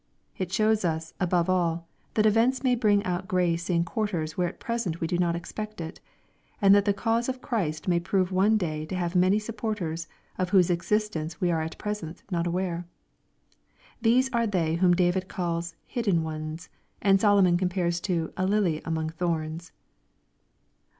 It shows us, above all, that events may bring out grace in quarters where at present we do not expect it ; and that the cause of Christ may prove one day to have many supporters, of whose existence we are at present not aware. These are they whom David calls " hidden ones," and Solomon compares to a lily among thorns."